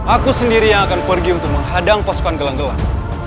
aku sendiri yang akan pergi untuk menghadang pasukan gelang gelang